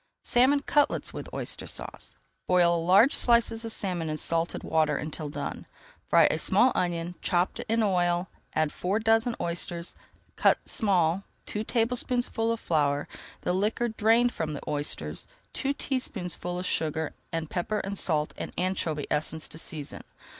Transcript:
SALMON CUTLETS WITH OYSTER SAUCE Boil large slices of salmon in salted water [Page 269] until done. Fry a small onion, chopped, in oil, add four dozen oysters, cut small, two tablespoonfuls of flour, the liquor drained from the oysters, two teaspoonfuls of sugar, and pepper, salt, and anchovy essence to season.